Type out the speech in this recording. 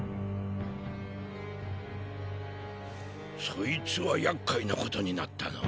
そいつはやっかいなことになったな。